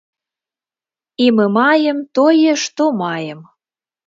І мы маем тое, што маем.